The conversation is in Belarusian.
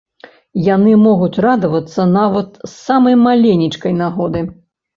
Яны могуць радавацца нават з самай маленечкай нагоды.